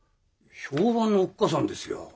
評判のおっかさんですよ。